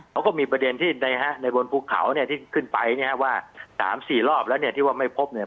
เขาก็มีประเด็นที่ในบนภูเขาเนี่ยที่ขึ้นไปเนี่ยว่า๓๔รอบแล้วเนี่ยที่ว่าไม่พบเนี่ย